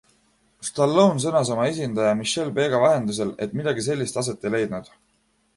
Stallone sõnas oma esindaja Michelle Bega vahendusel, et midagi sellist aset ei leidnud.